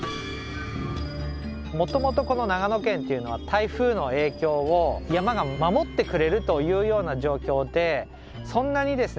もともとこの長野県っていうのは台風の影響を山が守ってくれるというような状況でそんなにですね